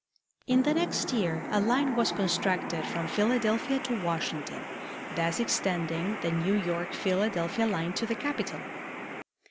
In the next year a line was constructed from Philadelphia to Washington, thus extending the New York Philadelphia line to the capital.